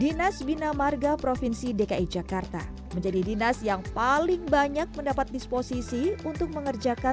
dinas bina marga provinsi dki jakarta menjadi dinas yang paling banyak mendapat disposisi untuk mengerjakan